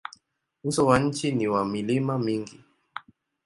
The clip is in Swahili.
Uso wa nchi ni wa milima mingi.